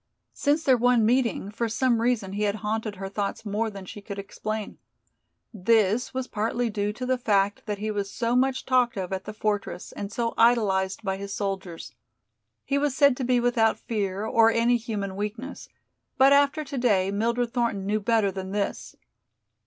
Since their one meeting for some reason he had haunted her thoughts more than she could explain. This was partly due to the fact that he was so much talked of at the fortress and so idolized by his soldiers. He was said to be without fear, or any human weakness, but after today Mildred Thornton knew better than this.